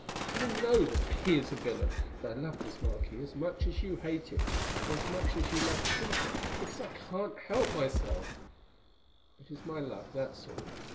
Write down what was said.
I know that he is a villain, but I love this marquis as much as you hate him, or as much as you love Peter, because I can't help myself; it is my luck, that's all.